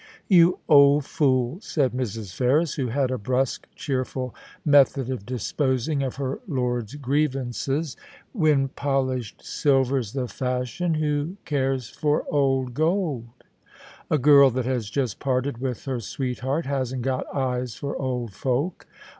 * You old fool !' said Mrs. Ferris, who had a brusque, cheerful method of disposing of her lord's grievances, * when THE FERRIS MANAGE. 91 polished silver's the fashion, who cares for old gold ? A girl that has just parted with her sweetheart hasn't got eyes for old folk.